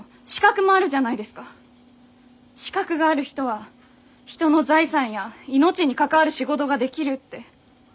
資格がある人は人の財産や命に関わる仕事ができるって。